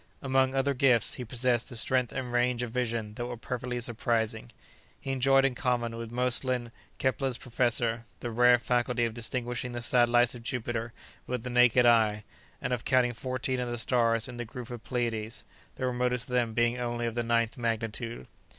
Among other gifts, he possessed a strength and range of vision that were perfectly surprising. He enjoyed, in common with Moestlin, Kepler's professor, the rare faculty of distinguishing the satellites of Jupiter with the naked eye, and of counting fourteen of the stars in the group of Pleiades, the remotest of them being only of the ninth magnitude.